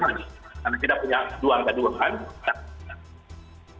karena kita punya dua angka dua kan